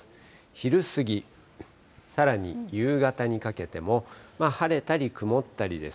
昼過ぎ、さらに夕方にかけても、晴れたり曇ったりです。